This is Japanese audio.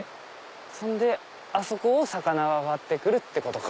そんであそこを魚が上がって来るってことか。